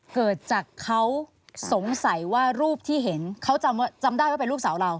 เกิดจากเขาสงสัยว่ารูปที่เห็นเขาจำได้ว่าเป็นลูกสาวเรา